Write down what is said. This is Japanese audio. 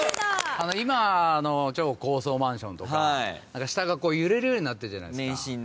今の超高層マンションとか下が揺れるようになってるじゃないですか。